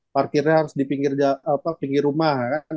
parkirnya harus di pinggir rumah